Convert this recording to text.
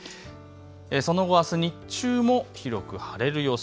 その後あす日中も広く晴れる予想。